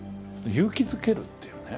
「勇気づける」っていうね